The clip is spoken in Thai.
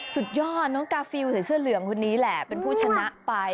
สุดยอดน้องกาฟิลใส่เสื้อเหลืองคนนี้แหละเป็นผู้ชนะไป